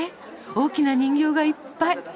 大きな人形がいっぱい！